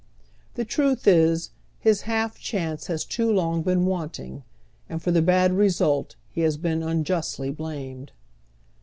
The truth is, his half chance has too long been wanting, and for the bad result he has been mijustly blamed.